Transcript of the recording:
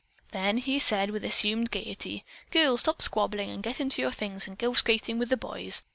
Then he said with assumed gaiety: "Girls, stop squabbling and get into your things and go skating with the boys.